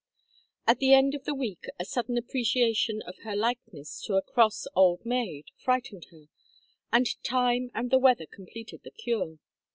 At the end of the week a sudden appreciation of her likeness to a cross old maid frightened her, and time and the weather completed the cure.